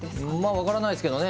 分からないですけどね